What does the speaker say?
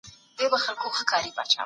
پانګوال نظام د خلګو په زيان دی.